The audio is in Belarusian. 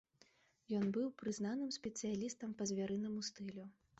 Ён быў прызнаным спецыялістам па звярынаму стылю.